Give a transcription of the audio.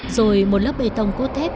rồi một lớp bê tông cốt thép